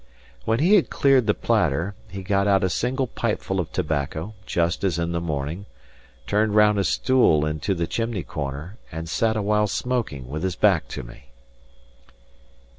When he had cleared the platter, he got out a single pipeful of tobacco, just as in the morning, turned round a stool into the chimney corner, and sat awhile smoking, with his back to me.